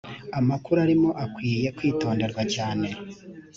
amakuru arimo akwiye kwitonderwa cyane